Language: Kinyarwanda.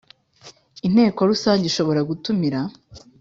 Inteko rusange ishobora gutumira